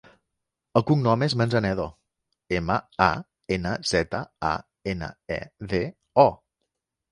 El cognom és Manzanedo: ema, a, ena, zeta, a, ena, e, de, o.